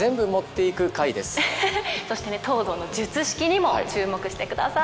そしてね東堂の術式にも注目してください。